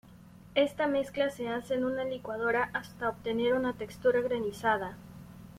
Esta mezcla se hace en una licuadora hasta obtener una textura granizada.